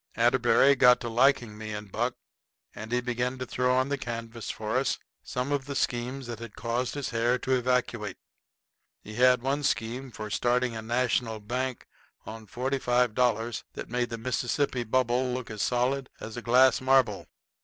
Atterbury got to liking me and Buck and he begun to throw on the canvas for us some of the schemes that had caused his hair to evacuate. He had one scheme for starting a National bank on $45 that made the Mississippi Bubble look as solid as a glass marble.